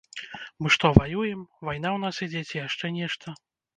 Мы што, ваюем, вайна ў нас ідзе ці яшчэ нешта?